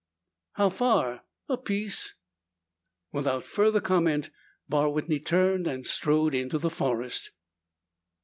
"How far?" "A piece." Without further comment, Barr Whitney turned and strode into the forest.